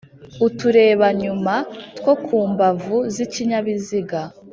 uturebnyuma two kumbavu z’ikinyabiziga